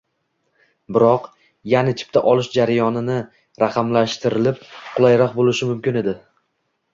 biroq, yaʼni chipta olish jarayoni raqamlashtirilib, qulayroq boʻlishi mumkin edi.